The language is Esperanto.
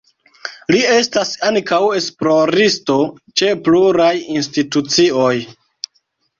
Li estas ankaŭ esploristo ĉe pluraj institucioj.